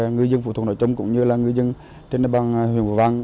ngư dân phú thuận nổi trông cũng như ngư dân trên đất băng huyện phú vang